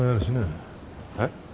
えっ？